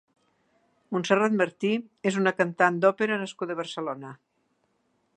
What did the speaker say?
Montserrat Martí és una cantant d'òpera nascuda a Barcelona.